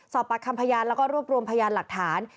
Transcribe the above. สอบปากคำพยานแล้วก็รวบรวมพยานหลักฐาน